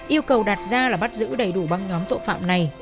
yêu cầu đặt ra là bắt giữ đầy đủ băng nhóm tội phạm này